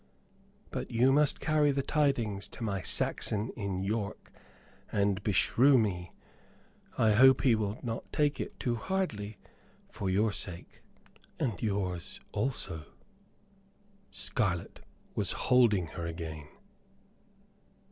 But you must carry the tidings to my Saxon in York, and, beshrew me, I hope he will not take it too hardly, for your sake." "And yours also." Scarlett was holding her again.